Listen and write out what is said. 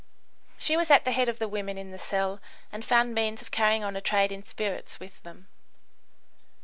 She was at the head of the women in the cell, and found means of carrying on a trade in spirits with them.